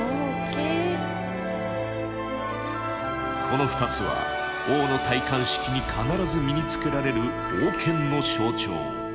この２つは王の戴冠式に必ず身につけられる「王権の象徴」。